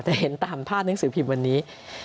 แต่เห็นตามภาพหนังสือพิมพ์วันนี้